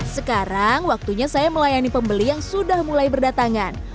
sekarang waktunya saya melayani pembeli yang sudah mulai berdatangan